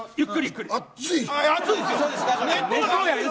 熱い。